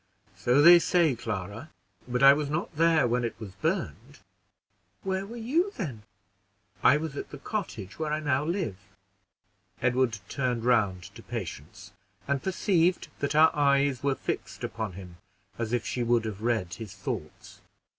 "So they say, Clara; but I was not there when it was burned." "Where were you then?" "I was at the cottage where I now live." Edward turned round to Patience, and perceived that her eyes were fixed upon him, as if she would have read his thoughts.